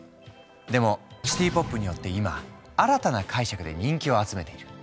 でもシティ・ポップによって今新たな解釈で人気を集めている。